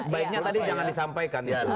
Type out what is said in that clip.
baiknya tadi jangan disampaikan